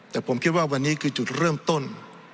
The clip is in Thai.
แต่ผมคิดว่าวันนี้คือจุดเริ่มต้น